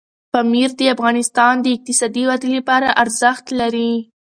پامیر د افغانستان د اقتصادي ودې لپاره ارزښت لري.